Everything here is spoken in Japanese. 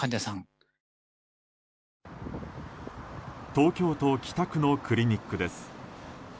東京都北区のクリニックです。